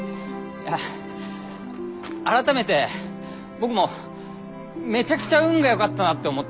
あ改めて僕もめちゃくちゃ運がよかったなって思ったよ。